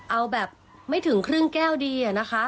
เอาแบบไม่ถึงครึ่งแก้วดีอะนะคะ